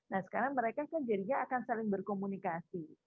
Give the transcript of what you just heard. nah sekarang mereka kan jadinya akan saling berkomunikasi